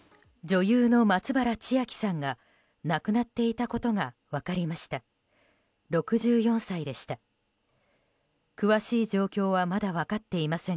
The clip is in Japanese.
女優の松原千明さんが亡くなっていたことが分かりました。